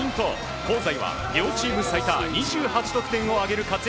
香西は両チーム最多２８得点を挙げる活躍。